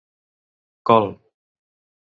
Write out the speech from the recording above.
Col